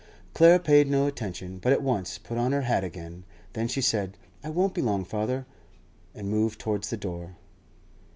Clara paid no attention, but at once put on her hat again. Then she said, 'I won't be long, father,' and moved towards the door.